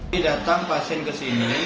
didatang pasien ke sini